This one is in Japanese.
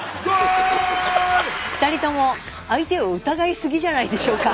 ２人とも相手を疑いすぎじゃないでしょうか。